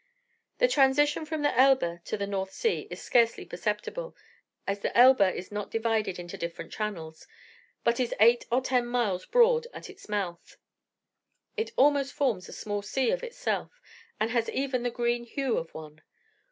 The transition from the Elbe to the North Sea is scarcely perceptible, as the Elbe is not divided into different channels, but is eight or ten miles broad at its mouth. It almost forms a small sea of itself, and has even the green hue of one.